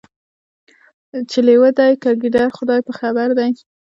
چي لېوه دی که ګیدړ خدای په خبر دی